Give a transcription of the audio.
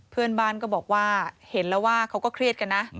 เพื่อนบ้านก็บอกว่าเห็นแล้วว่าเขาก็เครียดกันนะ